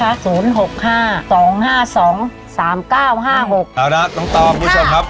เอาละน้องตองคุณผู้ชมครับ